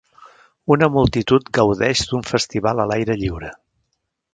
Una multitud gaudeix d'un festival a l'aire lliure.